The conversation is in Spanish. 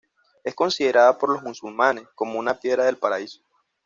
Es considerada por los musulmanes como una piedra del Paraíso.